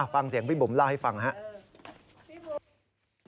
ฟังเสียงพี่บุ๋มเล่าให้ฟังครับ